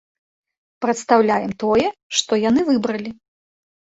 Прадстаўляем тое, што яны выбралі.